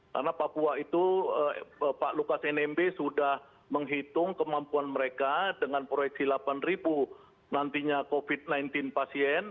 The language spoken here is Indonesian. karena papua itu pak lukas nmb sudah menghitung kemampuan mereka dengan proyeksi delapan nantinya covid sembilan belas pasien